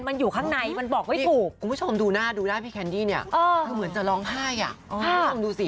มันอยู่ข้างในมันบอกไว้ถูกคุณผู้ชมดูหน้าพี่แคนดี้เนี่ยเหมือนจะร้องไห้